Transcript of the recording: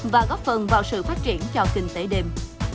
và góp phần vào sự phát triển cho kinh tế đêm